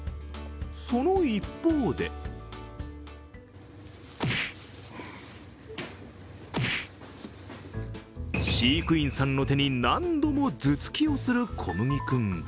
その一方で飼育員さんの手に何度も頭突きをするこむぎ君。